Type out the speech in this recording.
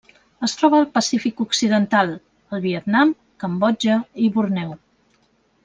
Es troba al Pacífic occidental: el Vietnam, Cambodja i Borneo.